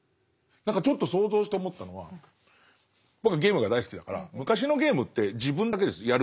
何かちょっと想像して思ったのは僕はゲームが大好きだから昔のゲームって自分だけです。